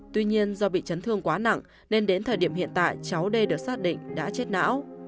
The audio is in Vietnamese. tuy nhiên do bị chấn thương quá nặng nên đến thời điểm hiện tại cháu d được xác định đã chết não